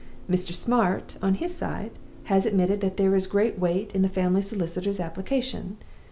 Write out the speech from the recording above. Mr. Smart, on his side, has admitted that there is great weight in the family solicitor's application.